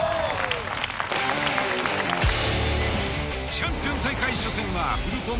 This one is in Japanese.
「チャンピオン大会」初戦はフルポン